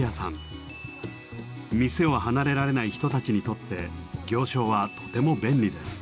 店を離れられない人たちにとって行商はとても便利です。